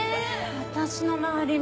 私の周り